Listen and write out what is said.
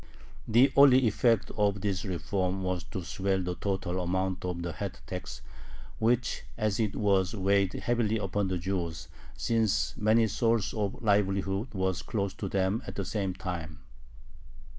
The only effect of this reform was to swell the total amount of the head tax, which as it was weighed heavily upon the Jews, since many sources of livelihood were closed to them at the same time.